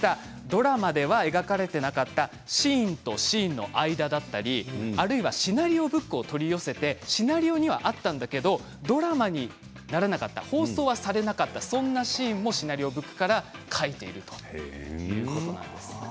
ドラマでは描かれていなかったシーンとシーンの間だったりあるいはシナリオブックを取り寄せてシナリオにはあったんだけどドラマにならなかった放送はされなかったそんなシーンもシナリオブックから描いているということなんです。